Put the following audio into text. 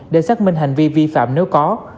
để xác minh hành vi vi phạm nếu có